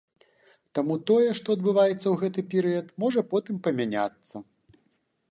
Таму тое, што адбываецца ў гэты перыяд, можа потым памяняцца.